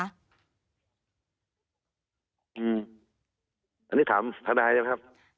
อันนี้ถามทางนายนะครับ